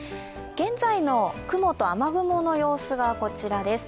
現在の雲と雨雲の様子がこちらです。